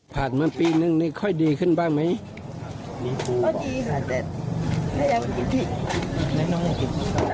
ผ่านมาปีหนึ่งนี่ค่อยดีขึ้นบ้างไหมอ๋อดีแต่ได้ยังไม่กินที่ได้ยังไม่กินที่